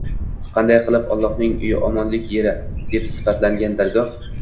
Qanday qilib “Allohning uyi”, “omonlik yeri” deb sifatlangan dargoh